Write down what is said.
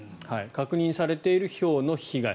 確認されているひょうの被害。